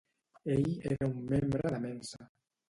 Ell era un membre de Mensa.